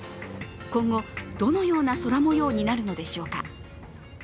今後、どのような空もようになるのでしょうか。